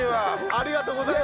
ありがとうございます！